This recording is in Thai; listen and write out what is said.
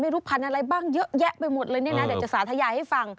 ลูกพันธุ์อะไรบ้างเยอะแยะไปหมดเลยเนี่ยนะเดี๋ยวจะสาธยาให้ฟัง